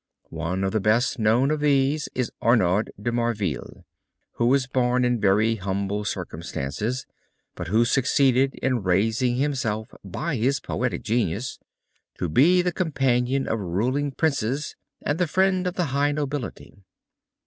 One of the best known of these is Arnaud de Marveil, who was born in very humble circumstances but who succeeded in raising himself by his poetic genius to be the companion of ruling princes and the friend of the high nobility.